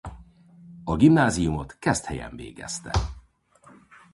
A gimnáziumot Keszthelyen végezte.